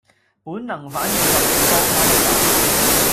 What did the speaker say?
本能反應就是幫她一把